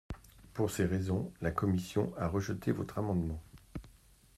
Pour ces raisons, la commission a rejeté votre amendement.